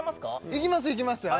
行きます行きます